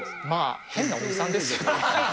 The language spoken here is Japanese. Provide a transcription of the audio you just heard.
変なおじさんですよ。